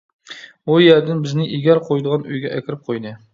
ئۇ يەردىن بىزنى ئېگەر قويىدىغان ئۆيگە ئەكىرىپ قويدى.